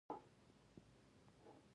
چې د امبېلې په جنګونو کې په مړانه ودرېد.